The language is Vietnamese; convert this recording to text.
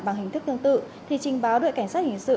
bằng hình thức tương tự thì trình báo đội cảnh sát hình sự